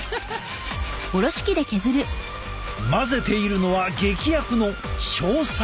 混ぜているのは劇薬の硝酸。